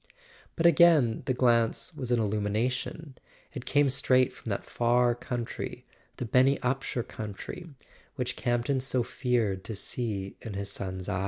But again the glance was an illumination; it came straight from that far country, the Benny Upsher coun¬ try, which Campton so feared to see in his son's eyes.